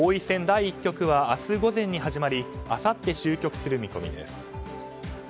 第１局は明日午前に始まりあさって終局する見込みです。